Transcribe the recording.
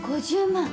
５０万。